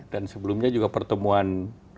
dan sebelumnya juga pertemuan